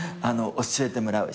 教えてもらう。